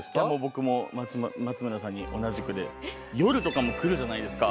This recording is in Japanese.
僕も松村さんに同じくで夜とかも来るじゃないですか。